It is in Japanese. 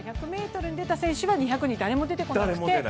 １００ｍに出た選手は２００に誰も出てこない。